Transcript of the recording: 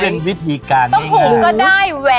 อ๋อไม่ได้สิ